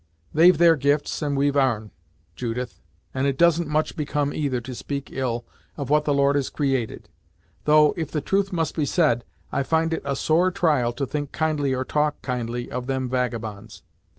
They've their gifts, and we've our'n, Judith, and it doesn't much become either to speak ill of what the Lord has created; though, if the truth must be said, I find it a sore trial to think kindly or to talk kindly of them vagabonds.